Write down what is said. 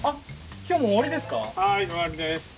今日はもう終わりですか？